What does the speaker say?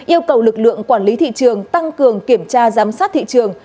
yêu cầu lực lượng quản lý thị trường tăng cường kiểm tra giám sát thị trường